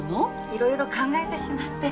いろいろ考えてしまって。